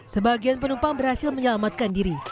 sebagian penumpang berhasil menyelamatkan diri